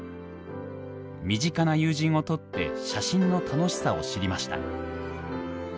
身近な友人を撮って写真の楽しさを知りました。